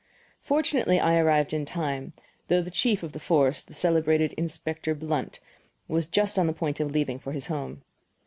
Fortunately I arrived in time, though the chief of the force, the celebrated Inspector Blunt was just on the point of leaving for his home.